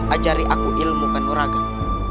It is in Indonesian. ajari aku ilmu kanuragan